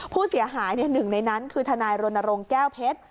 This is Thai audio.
ผู้เสียหายหนึ่งในนั้นคือทนายรณรงค์แก้วเพชร